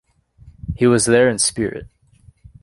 He was there in spirit.